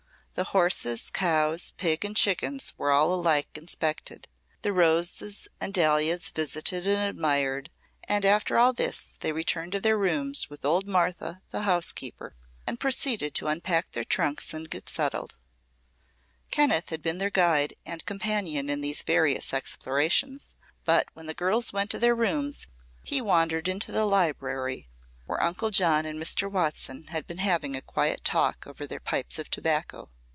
The horses, cows, pig and chickens were alike inspected, the roses and dahlias visited and admired, and after all this they returned to their rooms with old Martha, the housekeeper, and proceeded to unpack their trunks and get settled. Kenneth had been their guide and companion in these various explorations, but when the girls went to their rooms he wandered into the library where Uncle John and Mr. Watson had been having a quiet talk over their pipes of tobacco.